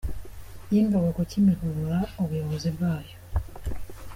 y’Ingabo ku Kimihurura, ubuyobozi bwayo.